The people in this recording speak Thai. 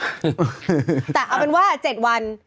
แต่เอาเป็นว่า๗วัน